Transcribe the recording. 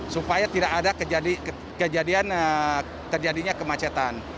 supaya tidak ada kejadian terjadinya kemacetan